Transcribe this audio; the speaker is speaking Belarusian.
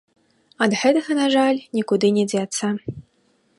Ад гэтага, на жаль, нікуды не дзецца.